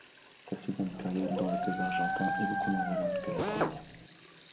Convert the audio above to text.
Sa seconde période dans le club argentin est beaucoup moins brillante que la première.